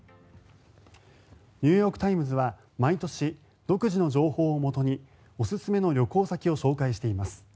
ニューヨーク・タイムズは毎年独自の情報をもとにおすすめの旅行先を紹介しています。